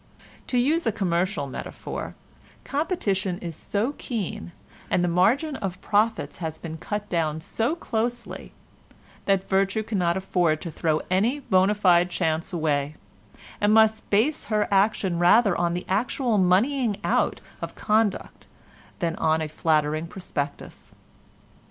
To use a commercial metaphor, competition is so keen, and the margin of profits has been cut down so closely that virtue cannot afford to throw any bona fide chance away, and must base her action rather on the actual moneying out of conduct than on a flattering prospectus.